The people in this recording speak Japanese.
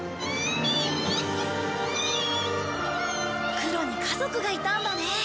クロに家族がいたんだね。